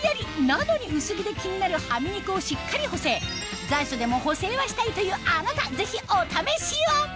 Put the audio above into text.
なのに薄着で気になるハミ肉をしっかり補整残暑でも補整はしたいというあなたぜひお試しを！